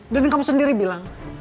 dan kamu sendiri bilang